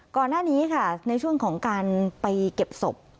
ก่อนหน้านี้ค่ะในช่วงของการไปเก็บศพ